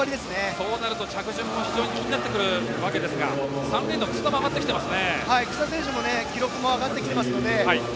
そうなると着順も非常に気になってきますが３レーンの楠田も上がってきている。